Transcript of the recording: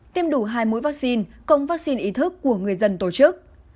tiêm đủ hai mũi vaccine công vaccine ý thức của người dân tổ chức